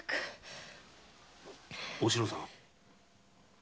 おしのさん！